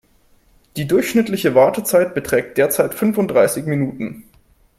Die durchschnittliche Wartezeit beträgt derzeit fünfunddreißig Minuten.